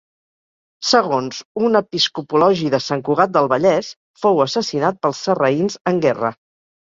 Segons un episcopologi de Sant Cugat del Vallès, fou assassinat pels sarraïns en guerra.